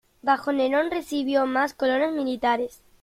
Bajo Nerón recibió más colonos militares.